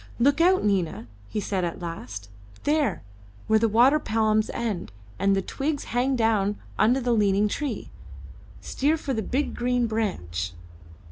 "Look out, Nina," he said at last; "there, where the water palms end and the twigs hang down under the leaning tree. Steer for the big green branch."